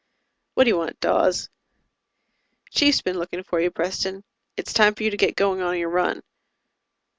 "What do you want, Dawes?" "Chief's been looking for you, Preston. It's time for you to get going on your run."